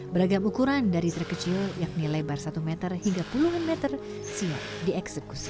beragam ukuran dari terkecil yakni lebar satu meter hingga puluhan meter siap dieksekusi